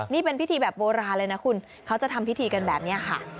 นี่เป็นพิธีแบบโบราณเลยนะคุณเขาจะทำพิธีกันแบบนี้ค่ะ